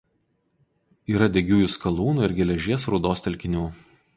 Yra degiųjų skalūnų ir geležies rūdos telkinių.